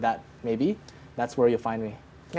itu tempat anda akan menemukan saya